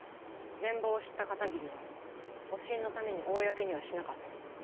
全貌を知った片桐は保身のために公にはしなかったんだ。